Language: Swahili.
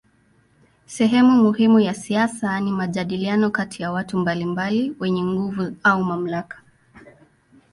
Sehemu muhimu ya siasa ni majadiliano kati ya watu mbalimbali wenye nguvu au mamlaka.